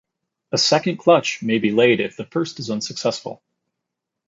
A second clutch may be laid if the first is unsuccessful.